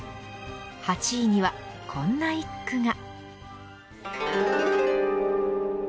８位にはこんな一句が。